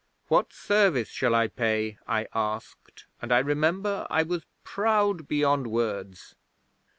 '"What service shall I pay?" I asked, and I remember I was proud beyond words.